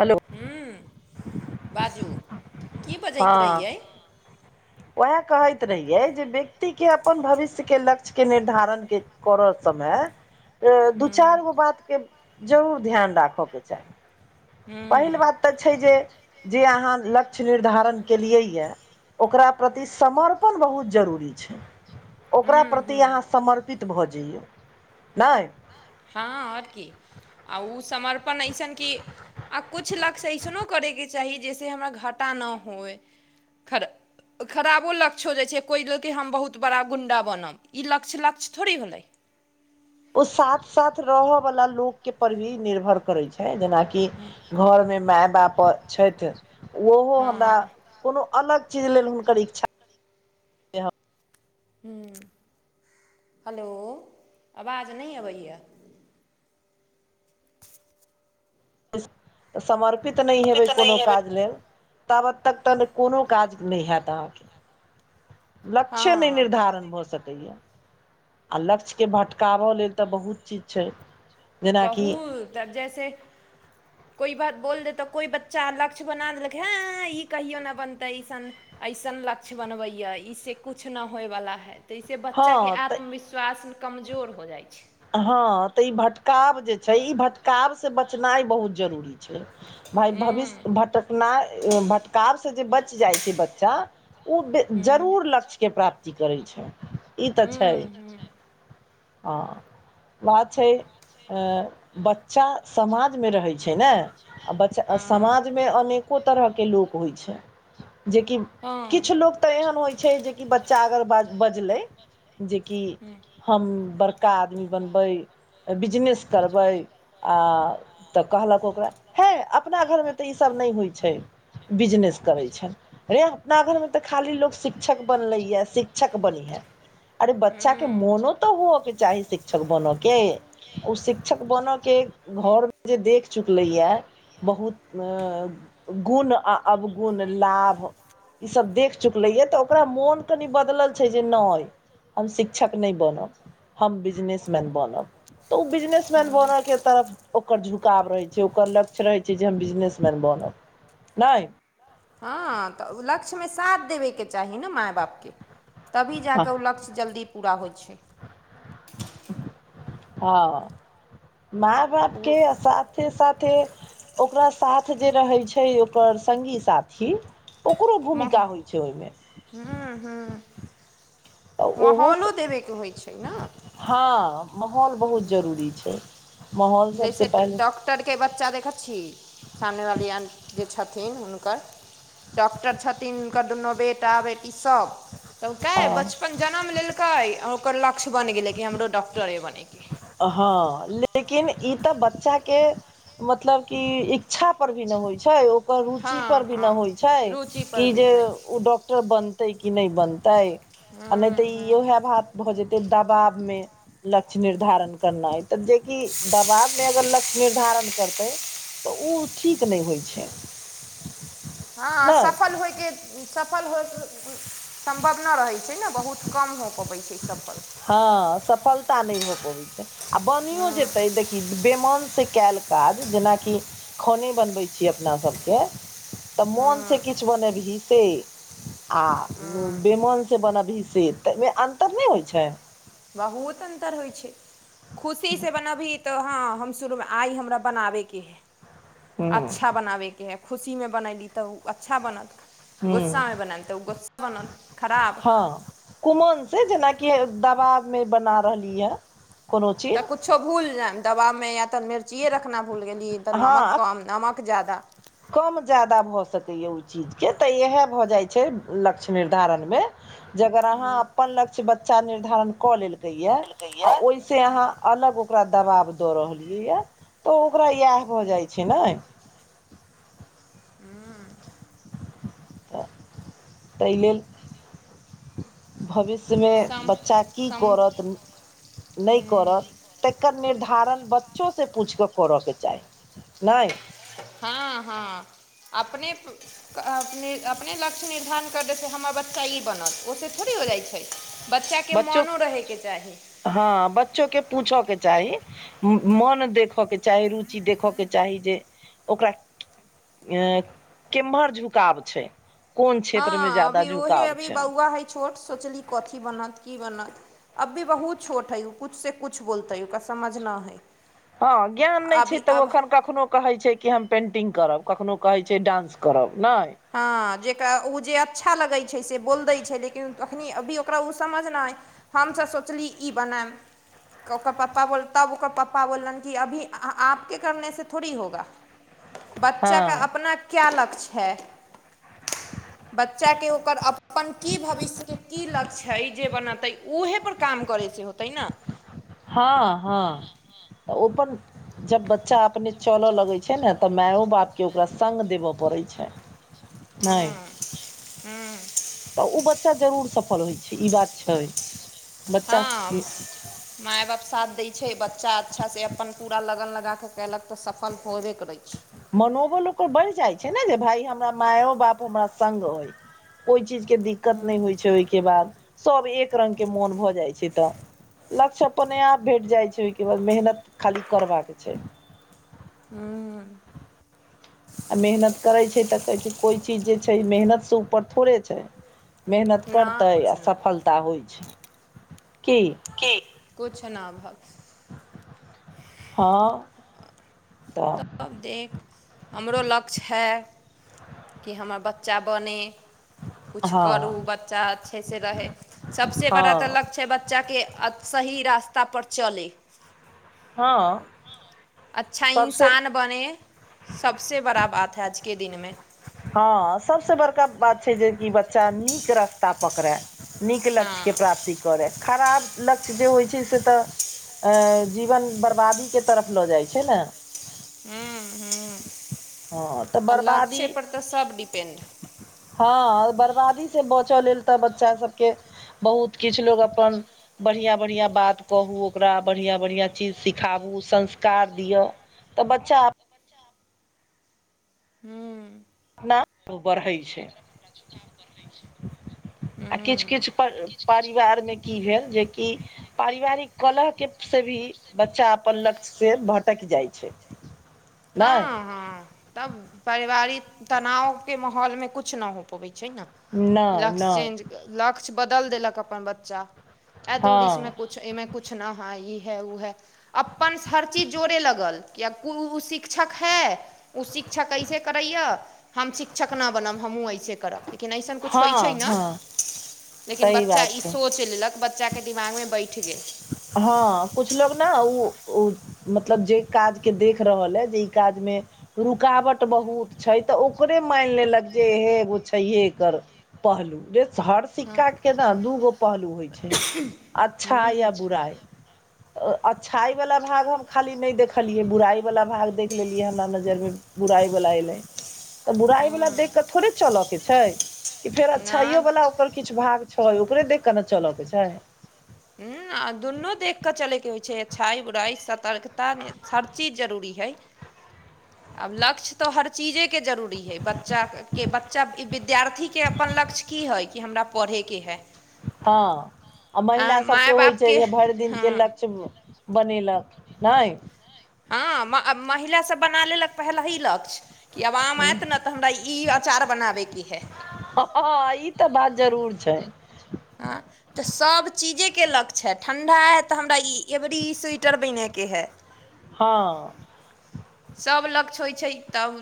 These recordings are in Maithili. हेलो हूँ बाजू की बजैत हाँ रहियै उएह कहैत रहियै जे व्यक्तिके अपन भविष्यक लक्ष्यक निर्धारण क करऽ समय तऽ हूँ दू-चारि गो बातके जरूर ध्यान राखबाक चाही। पहिल हूँ बात तऽ छै। जे जे अहाँ लक्ष्य निर्धारण केलियैए ओकरा प्रति समर्पण बहुत जरूरी छै ओकरा हूँ प्रति हूँ अहाँ समर्पण भऽ जाइय नहि हँ आओर की आ ओ समर्पण अइसन कि आ किछु लक्ष्य अइसनो करबाक चाही, जाहिसँ हमरा घाटा नहि होय खर। खराबो लक्ष्य भऽ जाइ छै कोनो लेल, कि हम बहुत पैघ गुण्डा बनब। ई लक्ष्य थोड़े भेलै। ओ साथ साथ रहय वाला लोक के पर भी निर्भर करै छै जेनाकि कि घरमे माय बाप छथि ओहो हमरा हँ कोनो अलग चीज लेल हुनकर इच्छा तऽ हू हेलो आवाज नहि अबैय समर्पित नहि हेबै कोनो काज लेल तब तक त कोनो काज ने होयत अहाँके लक्ष्ये ने हँ निर्धारण भ सकैय आ लक्ष्यके भटकाबय लेल तऽ बहुत चीज छै। जेनाकि बहुत तब जैसे कोइ बात बोल देतऽ कोइ बच्चा लक्ष्य बना देलक हँ ई कहियो नहि बनतै अइसन अइसन लक्ष्य बनबैए ई से किछु नहि होयवला हइ ताहिसँ हँ बच्चा के तऽ आत्मविश्वास कमजोर हो जाइ छै हँ त ई भटकाव जे छै ई भटकावसँ बचनाइ बहुत जरूरी छै भाय हूँ भविष्य भटकना भटकाव से जे बचि जाइ छै बच्चा ओ बे हूँ जरूर लक्ष्यके प्राप्ति करैत छै ई त हूँ छै हूँ आ बात छै बच्चा समाज में रहै छै ने आ बचा हँ समाज में अनेको तरहके लोक होइत छै जेकि हँ किछु लोक तऽ एहन होइत छै जेकि बच्चा अगर बजलै जेकि हूँ हम बड़का आदमी बनबै बिजनेस करबै आ त कहलक ओकरा हे अपना घरमे त इसभ ने होइ छै बिजनेस करै छै अहाँ अपना घरमे तऽ खाली लोकसभ शिक्षक बनल अछि, शिक्षक बनल अछि। अरे बच्चा के बनैए मोनो त हवय के चाही शिक्षक बन के ओ शिक्षक बनय के घरमे जे देख चुकलैए बहुत गुण आ अवगुण, लाभ। ई सब देख चुकले ये त ओकरा मोन कनि बदलल छै जे ने हम शिक्षक ने बनब हम बिजनेसमैन बनब त ओ बिजनेसमैन बने के तरफ ओकर झुकाव रहै छै ओकर लक्ष्य रहै छै जे हम बिजनेसमैन बनब ने हँ तऽ ओ लक्ष्यमे साथ देबयके चाही ने माय बापके तभी जा क हँ ओ लक्ष्य जल्दी पूरा होइ छै हँ, ओ माय-बापक अवस्था। साथे साथे ओकरा साथ जे रहै छै ओकर सङ्गी साथी ओकरो भूमिका होइ छै ओहिमे हम्म हम्म तऽ ओहो माहौल स- देबे के होछै न पूरी छै माहौल जैसे सबसँ डाॅक्ट पहिले ॉक्टरके बच्चा देखै छी सामनेवाली जे छथिन हुनकर डॉक्टर छथिन हुनकर दुनू बेटा बेटी सभ तब कहै हँ बचपन जनम लेलकै ओकर लक्ष्य बनि गेलै कि हमरो डॉक्टरे बनैके हँ लेकिन ई तऽ बच्चाके मतलब कि इच्छा पर भी नहि होइ छै ओकर रुचि परर हँ भी हँ नहि होइ छै रुचि पर कि भी जे हइ ओ डॉक्ट बनतै कि नहि बनतै आ नहि तऽ हँ ई हँ इह भात भऽ जेते दबाब में लक्ष्य निर्धारण करना ह तऽ जेकि दबाब मे अगर लक्ष्य निर्धारण करतै तऽ ओ ठीक नहि होइ छै हँ नहि सफल होइके सफल होइके सम्भव नहि रहैत छै ने बहुत कम हो पबैत छै सफल हँ सफलता नहि भ पबैत छै आ बनियो जेते देख बेमानसँ कयल काज जेनाकि खाने बनबै छी अपना सभके तऽ मोनसँ किछु बनबही से आ बेमन से बनबही से तऽ ओमे अन्तर नहि होइ छै बहुत अन्तर होइ छै खुशीसँ बनबही तऽ हँ हम शुरूमे आइ हमरा बनाबैके हइ ह्म अच्छा बनाबैके हइ खुशीमे बनली तऽ ओ अच्छा बनत ह्म गोस्सामे बनयल तऽ ओ गोस्सा बनत खराब कुमन दबाबमे बना रहली ह कोनो चीज किछु भूलि जायम दवामे या तऽ मिर्चियए रखना भूल गेली तऽ नमक हँ कम नमक जादा कम ज्यादा भऽ सकैए ओ चीजके तऽ इएह भऽ जाइत छै लक्ष्य निर्धारणमे जे अगर अहाँ अपन लक्ष्य बच्चा निर्धारण कऽ लेलकै या आ ओहि से अहाँ अलग ओकरा दबाब दऽ रहलियै य तऽ ओकरा इएह भऽ जाइ छै ने तऽ तइलेल भविष्यमे सम बच्चा की सम करत नहि करत तकर निर्धारण बच्चोसँ पूछि कऽ करयके चाही नहि हँ हँ अपने अप अपने लक्ष्य निर्धारण कर देैत हमर बच्चा ई बनत ओहिसँ थोड़े हो जाइत छै बच्चाके बच्चो मोनो रहैके चाही हँ बच्चो के पूछऽ के चाही मन देखयके चाही रुचि देखयके चाही जे ओकरा अ केमहर झुकाव छै कोन क्षेत्र मे हँ जादा अभी उहे झुकाव अभी छै बौआ हइ छोट सोचली कथी बनत की बनत अभ्भी बहुत छोट हइ ओ कुछ से कुछ बोलते है ओकरा समझ न है हँ ज्ञान नहि छै तऽ ओ एखन कखनो कहै छै कि हम पेन्टिंग करब कखननो कहैत छै डांस करब नहि हँ जकरा ओ जे अच्छा लगै छै से बोलि दै छै लेकिन तखनि अभी ओकरा ओ समझनाइ हमसभ सोचली ई बनायब ओकर पप्पा बोल तब ओकर पप्पा बोलनि कि अभी आपके करने से थोड़ी होगा [inaudible] हँ बच्चाके अपना क्या लक्ष्य है [inaudible] बच्चा के ओकर अपन की भविष्य के की लक्ष्य हइ जे बनतै उहे पर काम करै छै होतै ने हँ हँ ओ अपन जब बच्चा अपने चलय लगैत छै ने तऽ मायो बापकेँ ओकरा संग देबय पड़ैत छै हू नहि हू तऽ ओ बच्चा जरूर सफल होइ छै ई बात छै बच्चा हँ माय बाप साथ दै छै बच्चा अच्छासँ अपन पूरा लगन लगाकऽ कयलक तऽ सफल होबे करै छै मनोबल ओकर बढ़ि जाइत छै ने जे भाय हमरा मायो बाप हमरा सङ्ग होय कोहि चीजके दिक्कत नहि होइ छै ओहिके बाद सभ एक रंगके मोन भऽ जाइत छै तऽ लक्ष्य अपने आप भेट जाइ छै ओहिके बाद मेहनत खाली करबाका छै हूँ आ मेहनत करै छै तऽ कहै छै कोइ चीज जे छै मेहनतसँ ऊपर थोड़े छै मेहनत ना करतै आ कुछ ना सफलता होइत छै की किछ न भ हँ तऽ तब देख हमरो लक्ष्य है कि हमर बच्चा बनय किछु करू हँ बच्चा अच्छेसँ रहै सभसँ बड़ा तऽ हँ लक्ष छै बच्चाके सही रास्ता पर चलै हँ अच्छा सबसे इंसान बने सबसँ बड़ा बात है आजके दिनमे हँ सबस बड़का बात छै जेकि बच्चा नीक रास्ता पकड़ैय नीक लक्ष्यके हँ प्राप्ति करय खराब लक्ष्य जे होइ छै से तऽ अ जीवन बरबादीके तरफ लऽ जाइ छै ने ह ह हँ तऽ आ लक्षे बर्बादी पर तऽ सब डिपेंड हँ बर्बादीसँ बचय लेल तऽ बच्चाभके बहुत किछु लोको अपन बढ़िआँ बढ़िआँ बात कहू ओकरा बढ़िआँ बढ़िआँ चीज सिखाबू संस्कार दिअ तऽ बच्चा हू [unintelligible] बढ़ै छै आ किछु हूँ किछु पर परिवारमे की भेल जेकि पारिवारिक कलहके से भी बच्चा अपन लक्ष्यसँ भटकि जाइ छै नहि हँ हँ तब पारिवारिक तनावके माहौलमे किछु नहि हो पबैत छै ने नहि लक्स नहि चेन्ज लक्ष्य बदल देलक अपन बच्चा ए दूरीस में हँ कुछ मे कुछ न हा ई है व है अपन हर चीज जोड़े लगल कि ओ शिक्षक है ओ शिक अच्छा कैसे करैया हम शिक्षक नहि बनब हमहूँ अऐसे करब लेकिन अइसन किछु होइ छै हँ ने हँ लेकिन सही बच्चा बात ई छै सोच लेलक बच्चाके दिमागमे बैठ गेल हँ कुछ लोग न ओ-ओ मतलब जे काजके देख रहल हइ जे ई काजमे रुकावट बहुत छै तऽ ओकरे मानि लेलक जे हहे एगो छैहे कर पहलू हर हँ सिक्का के ने दूगो पहलू होइ छै अच्छा या बइ अच्छाइ वाला भाग हम खाली नहि देखलियै बुराइ वाला भाग देख लेलियै हमरा नजर मे बुराइवला अयलै तऽ हँ बुराइवला देख कऽ थोड़े चलय के छै फेर अच्छाइयो नहि वाला ओकर किछु भाग छै ओकरे देख केऽ ने चलऽ के छै हूँ दुनू देख के चले के होय छै अच्छाई बुराई सतर्कता हर चीज जरूरी है [unintelligible] आब लक्ष्य तऽ हर चीजेके जरूरी हइ बच्चाक के बच्चा विद्य विद्यार्थीके अपन लक्ष्य की हइ कि हमरा पढ़ैके हइ हँ आ महिला सभके माय होइत बापके छै भरि दिनके हँ लक्ष बनेलक नहि हँ महिलासभ बना लेलक पहिलहि लक्ष्य कि आब आम आएत ने तऽ हमरा ई अचार बनाबैके हइ ह ई तऽ बात जरूर छै आ तऽ सभ चीजेके लक्ष्य हए ठण्ढा हए तऽ हमरा ई अवरी स्वेटर बनयके हए हँ सभ लक्ष्य होइ छै तब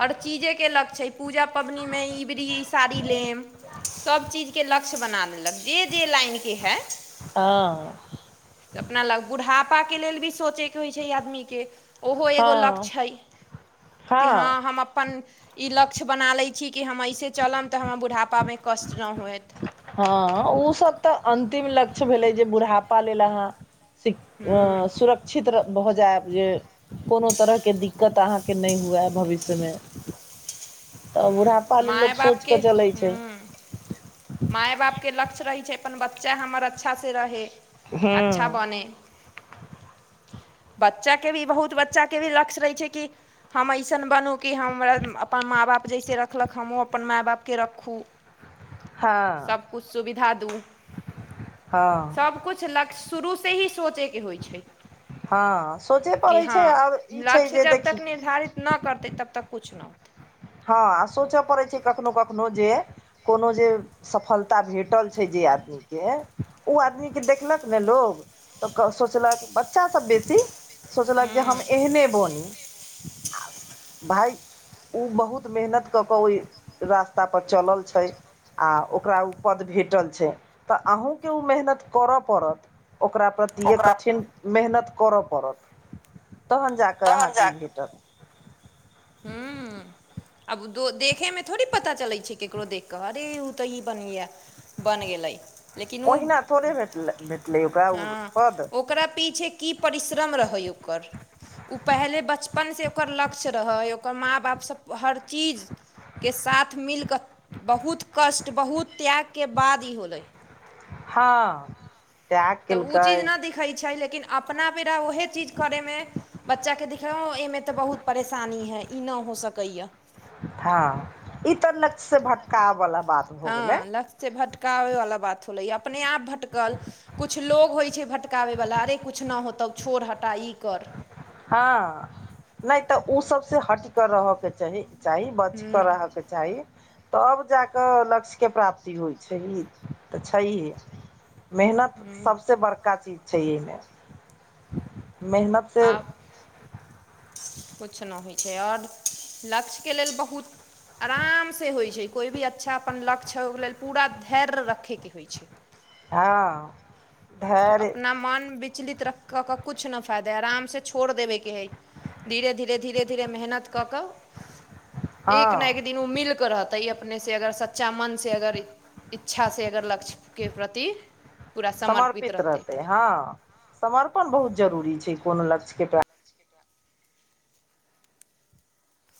हर चीजे के लक्ष्य छै पूजा पबनीमे ईबड़ी इ साड़ी लेब सभचीजके लक्ष्य बना देलक जे जे लाइनके हइ हँ अपना लग बुढ़ापा के लेल भी सोचे के होइ छै आदमी के ओहो एगो हँ लक्ष्य ह कि हँ हम अपन ई लक्ष्य बना लैत छी कि हम ऐसे चलब तऽ हमर बुढ़ापामे कष्ट नहि होत हँ ओसभ तऽ अन्तिम लक्ष्य भेलै जे बुढ़ापा लेल अहाँ सख हूँ सुरक्ष [inaudible] ्षित्र भऽ जायब जे कोनो तरहके दिक्कत अहाँके नहि हुए भविष्यमे तऽ बुढ़ापा हू लेल लोक माय सोचि बापके कऽ चलै हू छै माय बापके लक्ष्य रहै छै अपन बच्चा हमर अच्छासँ रहै हँ अच्छा बनै। [inaudible] बच्चाके भी बहुत बच्चाके भी लक्ष्य रहै छै कि हम अइसन बनू कि हमर अपन माँ-बाप जैसे रखलक हमहूँ अपन माय बापके रखू हँ सबकुछ सुविधा दू, हँ सबकुछ लक्ष्य शुरू से ही सोचैके होइ छै हँ सोचय कि पड़ै छै हँ आओर ई छै लक्ष्य जे जब देखि तक निर्धारित ना करतै तब तक कुछ ना हँ, सोचय पड़ैत छै कखनो-कखनो जे कोनो जे सफलता भेटल छै जे आदमी के ओ आदमीके देखलक ने लोग तऽ सोचलक बच्चासभ बेसी सोचलक जे हम ह्म एहने बनी, भाय ओ बहुत बहुत मेहनत कऽ कऽ ओहि रास्ता पर चलल छै आ ओकरा ओ पद भेटल छै तऽ अहूँके ओ मेहनत करय पड़त ओकरा पर ओकरा कठिन मेहनत करऽ पड़त। तहन जाकऽ अहाँकेँ ई भेटत हूॅं आब देखैमे थोड़ी पता चलैत छै ककरो देखि कऽ अरे ओ तऽ ई बन गया बन गेलै। लेकिन ओ ओहिना थोड़े भे भेटलै ओकरा ओ हँ पद ओकरा पीछे की परिश्रम रहै ओकर, ओ पहले बचपन से ओकर लक्ष्य रहै ओकर माँ-बाप सभ हर चीज के साथ मिलकऽ, बहुत कष्ट बहुत त्यागके बाद ई होलै हँ त्याग तऽ उ चीज केलकै न दिखै छै लेकिन अपना बेरा उहे चीज करे मे बच्चाके दिक्कत हँ, एहिमे तऽ बहुत परेशानी है ई न हो सकैए। हँ, ई तऽ लक्ष्य से भटकाव बला बात हैय हँ लक्ष्यसे भटकाबै वाला बात होलै, अपने आप भटकल। कछु लोग होइ छै भटकाबैवला अरे किछु ना होतौ छोड़, हटा ई कर हँ, नहि तऽ ऊ सबसे हट कऽ रहयके चाही, ह्म बचके रहयके चाही तब जा कऽ लक्ष्यके प्राप्ति होइ छै, ई तऽ छैहे मेहनत सबसे बड़का चीज छै एहिमे, मेहनत से आब कुछ ना होइ छै आओर लक्ष्यके लेल बहुत आरामसँ होइ छै कोइ भी अच्छा अपन लक्ष्य ओहिके लेल पूरा धैर्य रखैके होइ छै हँ त धैर्य अपना मन विचलित रखय क किछु नहि फायदा हइ, आरामसँ छोड़ि देबयके हइ धीरे-धीरे धीरे-धीरे मेहनत कऽकऽ हँ एक ने एक दिन मिलके रहतै अपनेसे अगर सच्चा मनसे अगर इच्छासे अगर लक्ष्य के प्रति पूरा समर्पित रहतै तऽ समर्पण बहुत जरूरी छै कोनो लक्ष्यके प्राप्ति लेल।